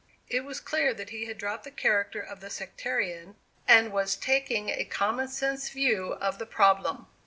It was clear that he had dropped the character of the sectarian, and was taking a common sense view of the problem.